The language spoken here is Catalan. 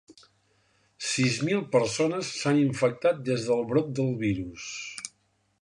Sis mil persones s'han infectat des del brot del virus.